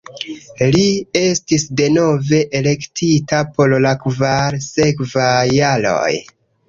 Li estis denove elektita por la kvar sekvaj jaroj.